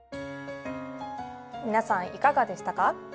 皆さんいかがでしたか？